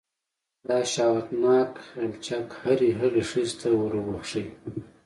دا شهوتناک غلچک هرې هغې ښځې ته وربښې.